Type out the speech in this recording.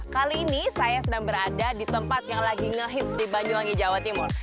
kali ini saya sedang berada di tempat yang lagi ngehits di banyuwangi jawa timur